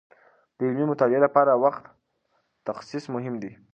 د علمي مطالعې لپاره د وخت تخصیص مهم دی.